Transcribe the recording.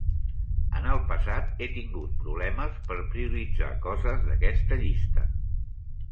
En el passat he tingut problemes per prioritzar coses d'aquesta llista.